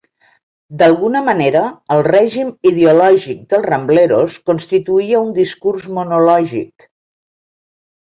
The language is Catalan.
D'alguna manera, el règim ideològic dels Rambleros constituïa un discurs monològic.